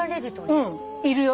うんいるよ。